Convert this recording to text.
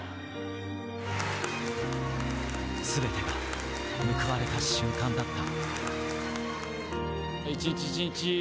全ては、報われた瞬間だった。